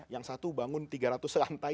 yang satu bangun tiga ratus lantai